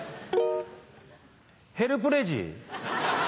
ヘルプレジ。